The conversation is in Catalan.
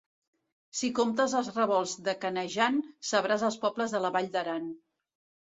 Si comptes els revolts de Canejan, sabràs els pobles de la Vall d'Aran.